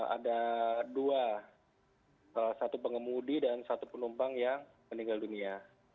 ada dua satu pengemudi dan satu penumpang yang meninggal dunia